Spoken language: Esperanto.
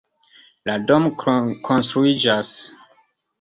La domo konstruiĝas.